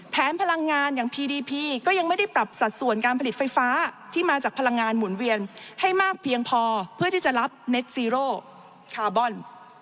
พลังงานอย่างพีดีพีก็ยังไม่ได้ปรับสัดส่วนการผลิตไฟฟ้าที่มาจากพลังงานหมุนเวียนให้มากเพียงพอเพื่อที่จะรับเน็ตซีโรคาร์บอน